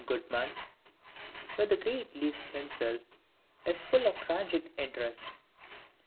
Gutman, with the great Liszt himself, is full of tragic interest.